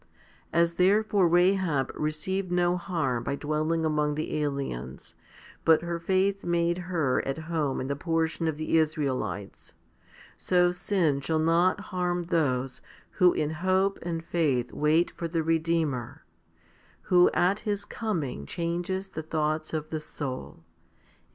As therefore Rahab received no harm by dwelling among the aliens, but her faith made her at home in the portion of the Israelites, so sin shall not harm those who in hope and faith wait for the Redeemer, who at His coming changes the thoughts of the soul, and makes 1 Josh.